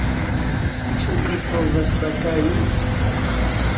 Ĉu vi povas batali?